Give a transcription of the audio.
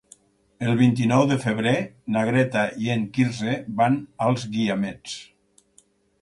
El vint-i-nou de febrer na Greta i en Quirze van als Guiamets.